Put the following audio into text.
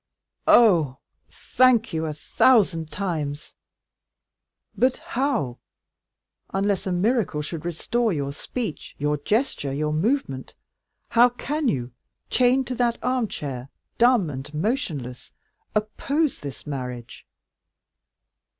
"Oh, thank you a thousand times! But how, unless a miracle should restore your speech, your gesture, your movement, how can you, chained to that armchair, dumb and motionless, oppose this marriage?"